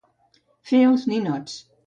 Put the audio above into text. Fer els ninots.